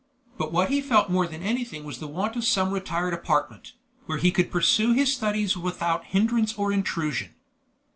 But what he felt more than anything was the want of some retired apartment, where he could pursue his studies without hindrance or intrusion.